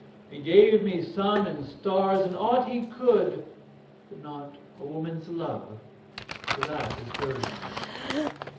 He gave me sun and stars and ought He could, But not a woman's love; for that is hers.